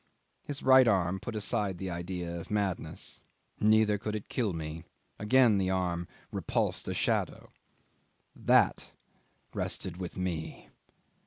..." His right arm put aside the idea of madness. ... "Neither could it kill me. ..." Again his arm repulsed a shadow. ... "That rested with me."